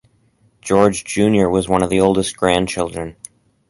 George Junior was one of the oldest grandchildren.